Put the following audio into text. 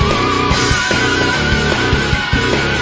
ดีดีดี